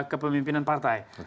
dan kepemimpinan partai